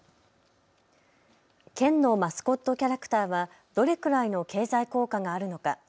県のマスコットキャラクターはどれくらいの経済効果があるのか。